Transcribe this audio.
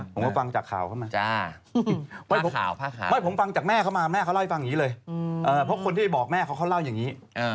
ผมก็ฟังจากข่าวเข้ามาไม่ผมฟังจากแม่เขามาแม่เขาเล่าให้ฟังอย่างนี้เลยเพราะคนที่ไปบอกแม่เขาเขาเล่าอย่างนี้